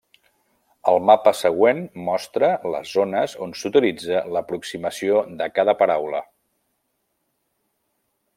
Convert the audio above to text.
El mapa següent mostra les zones on s'utilitza l'aproximació de cada paraula.